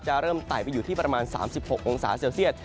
เริ่มไต่ไปอยู่ที่ประมาณ๓๖องศาเซลเซียต